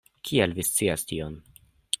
Kiel vi scias tion?